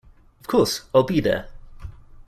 Of course, I’ll be there!